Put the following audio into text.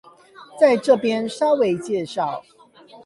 在這邊稍微介紹